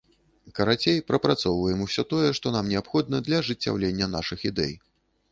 Карацей, прапрацоўваем усё тое, што нам неабходна для ажыццяўлення нашых ідэй.